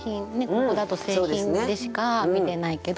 ここだと製品でしか見れないけど